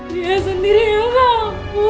dia sendiri yang ngaku bu